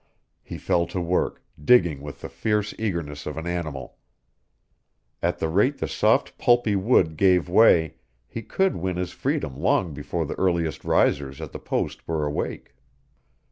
He fell to work, digging with the fierce eagerness of an animal. At the rate the soft pulpy wood gave way he could win his freedom long before the earliest risers at the post were awake.